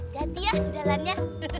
gati ya jalannya